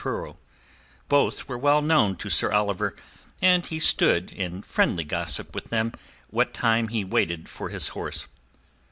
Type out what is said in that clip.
Both were well known to Sir Oliver, and he stood in friendly gossip with them what time he waited for his horse.